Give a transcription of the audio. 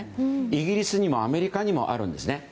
イギリスにもアメリカにもあるんですね。